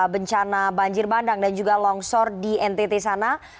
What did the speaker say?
bencana banjir bandang dan juga longsor di ntt sana